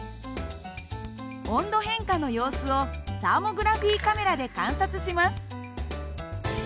温度変化の様子をサーモグラフィーカメラで観察します。